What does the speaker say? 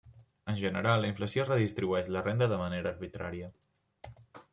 En general, la inflació redistribueix la renda de manera arbitrària.